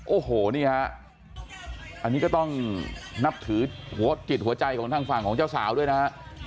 โอ้โหนี่ฮะอันนี้ก็ต้องนับถือหัวจิตหัวใจของทางฝั่งของเจ้าสาวด้วยนะฮะ